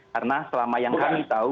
karena selama yang kami tahu